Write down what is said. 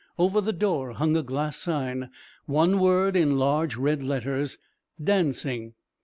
Over the door hung a glass sign, one word in large red letters: "DANCING."